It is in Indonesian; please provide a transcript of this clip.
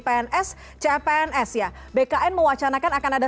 pns cpns ya bkn mewacanakan akan ada